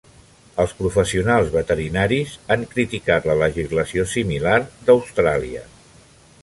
Els professionals veterinaris han criticat la legislació similar d'Austràlia.